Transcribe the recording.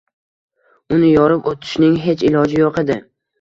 uni yorib o‘tishning hech iloji yo‘q edi.